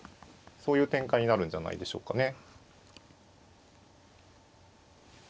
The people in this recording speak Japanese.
そういう展開になるんじゃないでしょうかね。